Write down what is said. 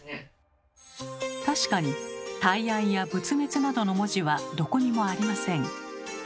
確かに大安や仏滅などの文字はどこにもありません。